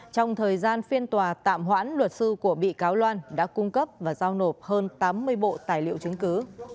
trong thời gian phiên tòa tạm hoãn luật sư của bị cáo loan đã cung cấp và giao nộp hơn tám mươi bộ tài liệu chứng cứ